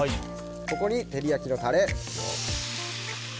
ここに照り焼きのタレ。